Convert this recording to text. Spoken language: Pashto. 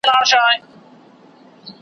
هم روزي کورونه هم مېلمه دی په پاللی .